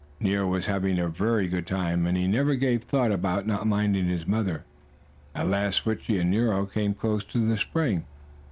Nero was having a very good time, and he never gave a thought about not minding his mother. At last Switchie and Nero came close to the spring.